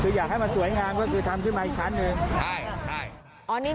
คืออยากให้มันสวยงามก็คือทำขึ้นมาอีกชั้นหนึ่งใช่ใช่